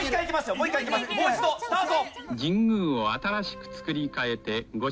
もう一度スタート！